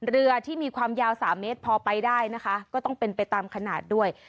เรือที่มีความยาว๓เมตรพอไปได้นะคะก็ต้องเป็นไปตามขนาดด้วย